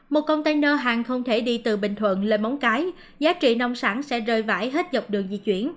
một container hàng không thể đi từ bình thuận lên móng cái giá trị nông sản sẽ rơi vãi hết dọc đường di chuyển